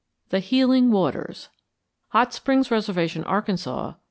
XV THE HEALING WATERS HOT SPRINGS RESERVATION, ARKANSAS.